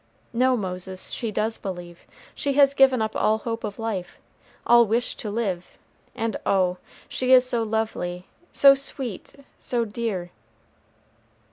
"No, Moses, she does believe. She has given up all hope of life, all wish to live; and oh, she is so lovely, so sweet, so dear."